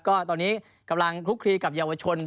ก็ตอนนี้กำลังคลุกคลีกับเยาวชน